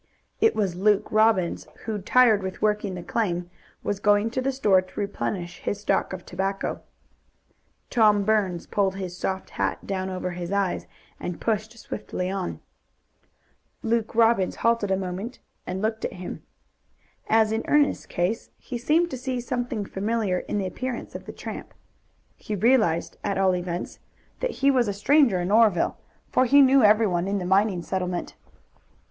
It was Luke Robbins, who, tired with working the claim, was going to the store to replenish his stock of tobacco. Tom Burns pulled his soft hat down over his eyes and pushed swiftly on. Luke Robbins halted a moment and looked at him. As in Ernest's case, he seemed to see something familiar in the appearance of the tramp. He realized, at all events, that he was a stranger in Oreville, for he knew everyone in the mining settlement.